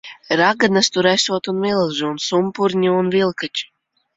Raganas tur esot un milži. Un sumpurņi un vilkači.